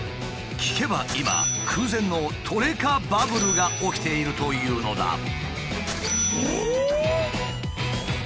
聞けば今空前のトレカバブルが起きているというのだ。